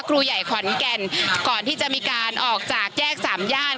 ครูใหญ่ขอนแก่นก่อนที่จะมีการออกจากแยกสามย่าน